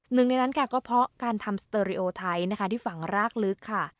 หนึ่งในนั้นก็เพราะการทำสเตอริโอไทท์ที่ฝังรากลึก